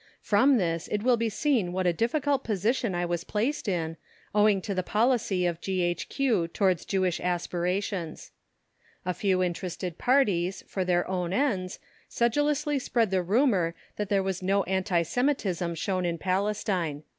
From this it will be seen what a difficult position I was placed in, owing to the policy of G.H.Q. towards Jewish aspirations. A few interested parties, for their own ends, sedulously spread the rumour that there was no anti Semitism shown in Palestine.